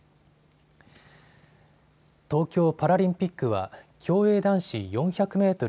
東京パラリンピックは、競泳男子４００メートル